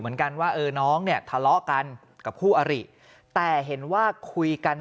เหมือนกันว่าเออน้องเนี่ยทะเลาะกันกับคู่อริแต่เห็นว่าคุยกัน